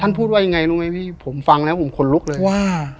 พูดว่ายังไงรู้ไหมพี่ผมฟังแล้วผมขนลุกเลยว่า